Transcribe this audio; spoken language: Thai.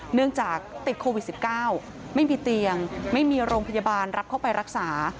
เนื่องจากติดโควิด๑๙ไม่มีเตียงไม่มีโรงพยาบาลรับเข้าไปรักษา